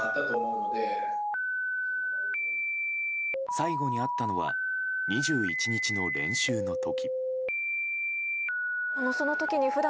最後に会ったのは２１日の練習の時。